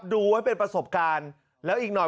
ดูให้เป็นประสบการณ์แล้วอีกหน่อย